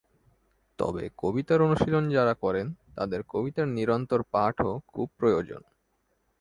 তবে কবিতার অনুশীলন যারা করেন তাদের কবিতার নিরন্তর পাঠও খুব প্রয়োজন।